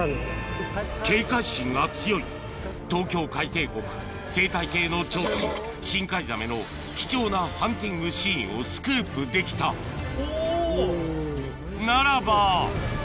警戒心が強い東京海底谷生態系の頂点深海ザメの貴重なハンティングシーンをスクープできたおぉ！